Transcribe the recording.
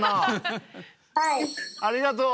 ありがとう。